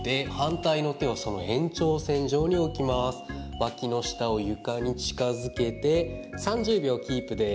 脇の下を床に近づけて３０秒キープです。